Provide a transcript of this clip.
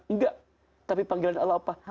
enggak tapi panggilan allah apa